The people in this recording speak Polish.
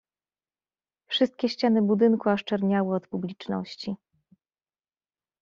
"Wszystkie ściany budynku aż czerniały od publiczności."